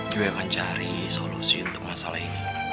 juga akan cari solusi untuk masalah ini